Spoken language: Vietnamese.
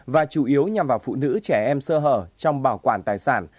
và chủ yếu nhằm vào phụ nữ trẻ em sơ hở trong bảo quản tài sản